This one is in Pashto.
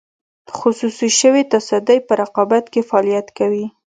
خصوصي شوې تصدۍ په رقابت کې فعالیت کوي.